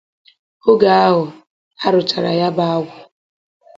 oge ahụ a rụchara ya bụ agwụ